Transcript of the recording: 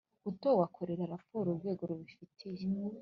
Utowe akorera raporo urwego rubifitiye